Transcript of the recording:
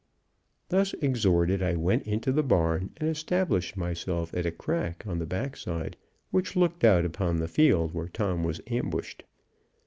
Thus exhorted, I went into the barn and established myself at a crack on the back side, which looked out upon the field where Tom was ambushed.